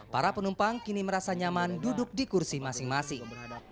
para penumpang kini merasa nyaman duduk di kursi masing masing